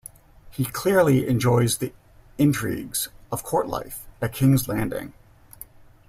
He clearly enjoys the intrigues of court life at King's Landing.